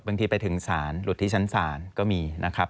ไปถึงศาลหลุดที่ชั้นศาลก็มีนะครับ